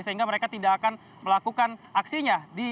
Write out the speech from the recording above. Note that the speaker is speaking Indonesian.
sehingga mereka tidak akan melakukan aksinya